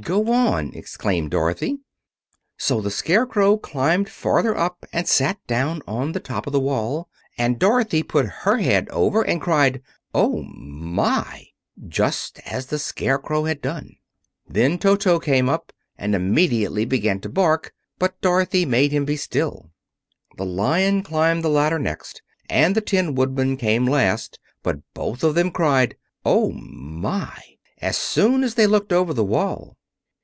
"Go on," exclaimed Dorothy. So the Scarecrow climbed farther up and sat down on the top of the wall, and Dorothy put her head over and cried, "Oh, my!" just as the Scarecrow had done. Then Toto came up, and immediately began to bark, but Dorothy made him be still. The Lion climbed the ladder next, and the Tin Woodman came last; but both of them cried, "Oh, my!" as soon as they looked over the wall.